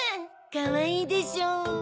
かわいいでしょう？